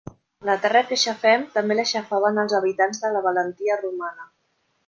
La terra que xafem també la xafaven els habitants de la Valentia romana.